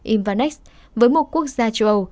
invanex với một quốc gia châu âu